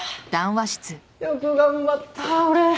よく頑張った俺。